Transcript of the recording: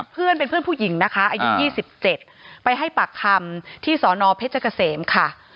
เพื่อนเป็นเพื่อนผู้หญิงนะคะอายุ๒๗ไปให้ปากคำที่สนเพชรเกษมค่ะ